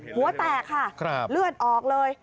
หัวแตกค่ะเลือดออกเลย